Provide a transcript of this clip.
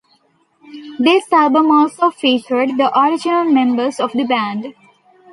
This album also featured the original members of the band.